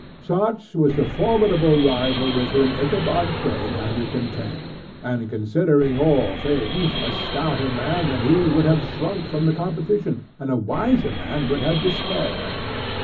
Such was the formidable rival with whom Ichabod Crane had to contend, and, considering all things, a stouter man than he would have shrunk from the competition, and a wiser man would have despaired.